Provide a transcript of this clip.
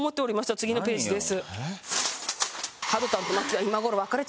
次のページです。